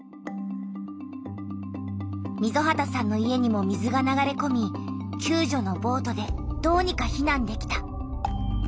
溝端さんの家にも水が流れこみきゅう助のボートでどうにか避難できた。